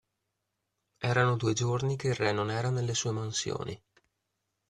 Erano due giorni che il re non era nelle sue mansioni.